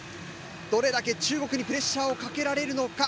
どれだけ中国にプレッシャーをかけられるのか。